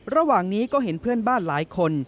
ระหว่างนี้ก็เห็นเพื่อนบ้านหลายคน